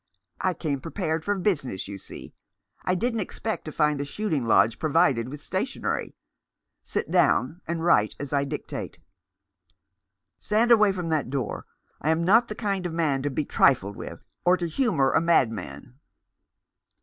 " I came prepared for business, you see. I didn't expect to find a shooting lodge provided with stationery. Sit down, and write as I dictate." "Stand away from that door. I am not the kind of man to be trifled with, or to humour a madman."